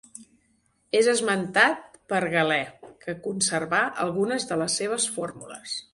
És esmentat per Galè que conservà algunes de les seves fórmules.